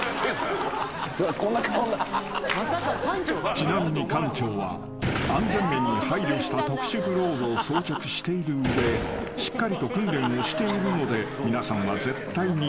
［ちなみに館長は安全面に配慮した特殊グローブを装着している上しっかりと訓練をしているので皆さんは絶対にまねしないように］